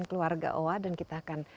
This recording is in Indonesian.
keluarga owa dan kita akan